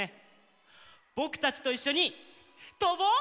ぼくたちといっしょにとぼう！